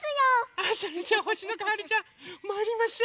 あそれじゃあほしのこはるちゃんまいりましょう。